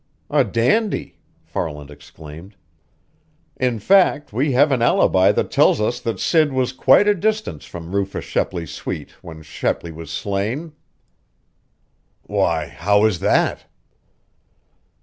"A dandy!" Farland exclaimed. "In fact, we have an alibi that tells us that Sid was quite a distance from Rufus Shepley's suite when Shepley was slain." "Why, how is that?"